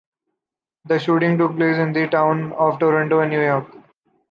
The shooting took place in the towns of Toronto and New York.